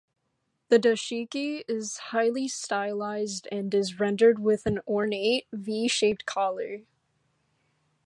The dashiki is highly stylized and is rendered with an ornate V-shaped collar.